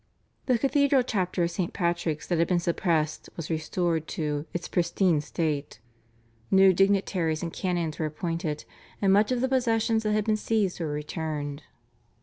The Cathedral Chapter of St. Patrick's that had been suppressed was restored to "its pristine state;" new dignitaries and canons were appointed, and much of the possessions that had been seized were returned.